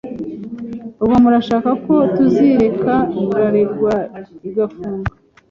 ubwo murashaka ko tuzireka bralirwa igafunga